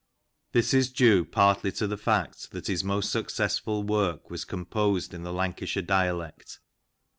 This is clue partly to the fact that his most successful work was com posed in the Lancashire dialect.